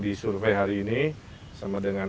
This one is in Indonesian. disurvey hari ini sama dengan